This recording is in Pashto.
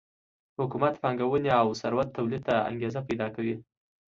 حکومت پانګونې او ثروت تولید ته انګېزه پیدا کوي